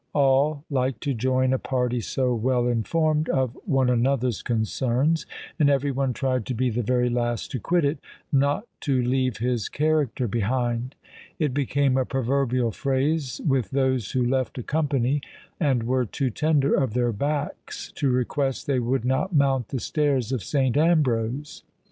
All liked to join a party so well informed of one another's concerns, and every one tried to be the very last to quit it, not "to leave his character behind!" It became a proverbial phrase with those who left a company, and were too tender of their backs, to request they would not "mount the stairs of St. Ambrose."